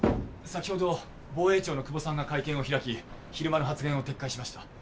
先ほど防衛庁の久保さんが会見を開き昼間の発言を撤回しました。